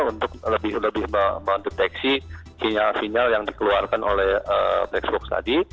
untuk lebih mendeteksi sinyal sinyal yang dikeluarkan oleh black box tadi